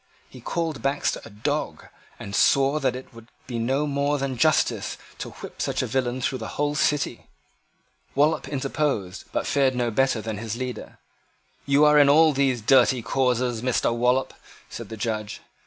He called Baxter a dog, and swore that it would be no more than justice to whip such a villain through the whole City. Wallop interposed, but fared no better than his leader. "You are in all these dirty causes, Mr. Wallop," said the Judge.